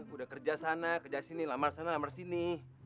udah kerja sana kerja sini lamar sana lamar sini